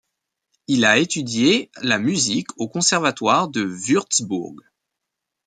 Il a étudié la musique au conservatoire de Würzburg.